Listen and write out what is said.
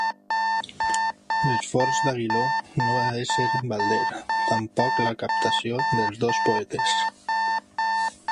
L'esforç d'Aguiló no va ésser balder, tampoc la captació dels dos poetes.